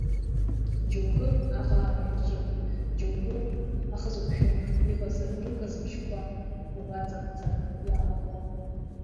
Џьоукы аҟаара иаҿын, џьоукы ахы зықәшәаны иҟаз рыӷызбыжьқәа угәаҵанӡа иалапҟон.